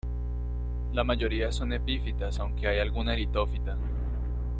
La mayoría son epífitas aunque hay alguna litófita.